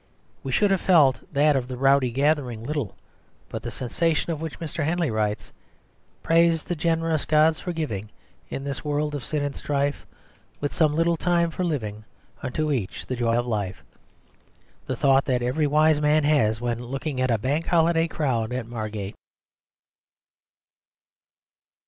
We should have felt of that rowdy gathering little but the sensation of which Mr. Henley writes "Praise the generous gods for giving, In this world of sin and strife, With some little time for living, Unto each the joy of life," the thought that every wise man has when looking at a Bank Holiday crowd at Margate.